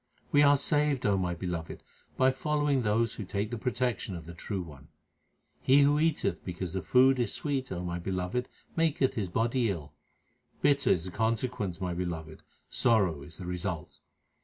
We are saved, O my Beloved, by following those who take the protection of the True One. He who eateth because the food is sweet, O my Beloved, maketh his body ill. Bitter is the consequence, my Beloved ; sorrow is the result.